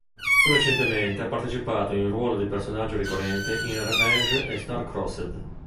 Più recentemente ha partecipato in ruolo di personaggio ricorrente in Revenge e Star-Crossed.